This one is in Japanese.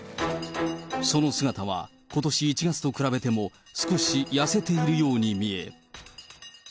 その姿は、ことし１月と比べても少し痩せているように見える。